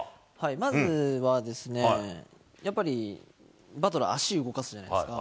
まずはですね、やっぱりバトラー、足動かすじゃないですか。